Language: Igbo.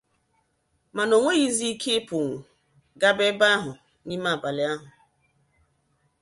mana o nweghịzị ike ịpụnwù gaba ebe ahụ n'ime abalị ahụ